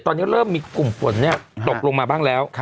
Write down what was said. ตอนนี้เริ่มมีกลุ่มฝนตกลงมาบ้างแล้ว